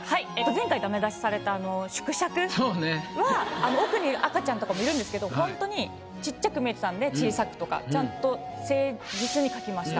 前回ダメ出しされた縮尺は奥に赤ちゃんとかもいるんですけどほんとにちっちゃく見えてたんで小さくとかちゃんと誠実に描きました。